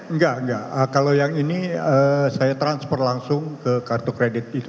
enggak enggak kalau yang ini saya transfer langsung ke kartu kredit itu